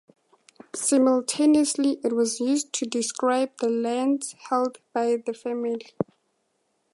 Simultaneously it was used to describe the lands held by the family.